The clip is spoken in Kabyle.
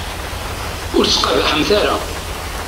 Ur ttqabaḥemt ara.